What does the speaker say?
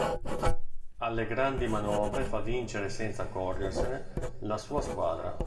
Alle grandi manovre fa vincere senza accorgersene la sua squadra.